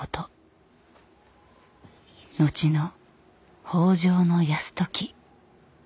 後の北条泰時。